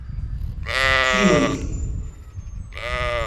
Healey.